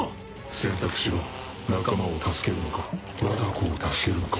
選択しろ仲間を助けるのかわが子を助けるのか。